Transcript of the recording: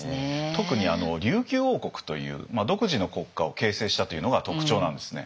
特に琉球王国という独自の国家を形成したというのが特徴なんですね。